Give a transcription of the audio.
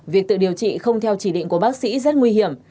việc tự điều trị không theo chỉ định của bác sĩ rất nguy hiểm